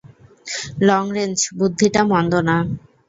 Long-range, বুদ্ধিটা মন্দ না!